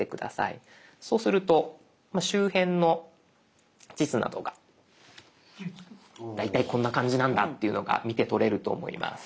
そうすると周辺の地図などが。大体こんな感じなんだというのが見てとれると思います。